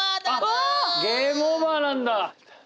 あっゲームオーバーなんだ。